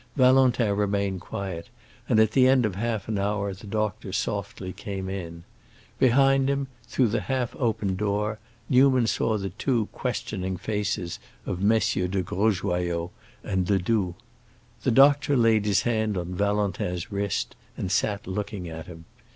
Valentin remained quiet, and at the end of half an hour the doctor softly came in. Behind him, through the half open door, Newman saw the two questioning faces of MM. de Grosjoyaux and Ledoux. The doctor laid his hand on Valentin's wrist and sat looking at him.